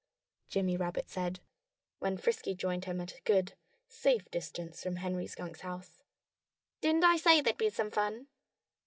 Jimmy Rabbit said, when Frisky joined him at a good, safe distance from Henry Skunk's house. "Didn't I say there'd be some fun?"